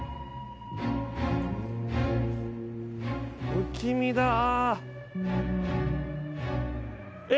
不気味だあ。